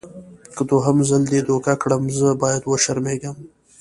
که دوهم ځل دې دوکه کړم زه باید وشرمېږم.